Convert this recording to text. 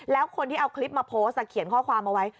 แล้วคนที่เอาคลิปมาโพสต์เขียนข้อความเอาไว้